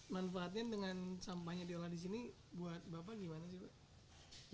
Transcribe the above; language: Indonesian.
manfaatnya dengan sampahnya diolah di sini buat bapak gimana sih pak